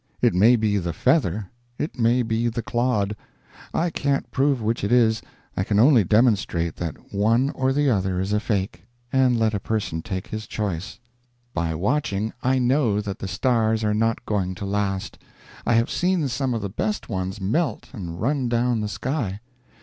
It may be the feather, it may be the clod; I can't prove which it is, I can only demonstrate that one or the other is a fake, and let a person take his choice. By watching, I know that the stars are not going to last. I have seen some of the best ones melt and run down the sky.